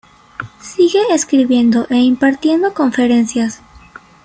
Sigue escribiendo e impartiendo conferencias.